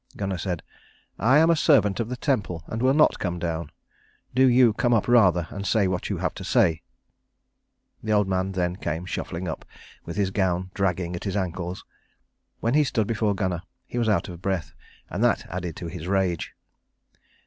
Gunnar said, "I am a servant of the temple, and will not come down. Do you come up rather and say what you have to say." The old man then came shuffling up, with his gown dragging at his ankles. When he stood before Gunnar, he was out of breath, and that added to his rage.